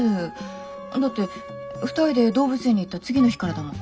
だって２人で動物園に行った次の日からだもん。